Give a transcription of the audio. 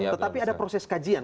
tetapi ada proses kajian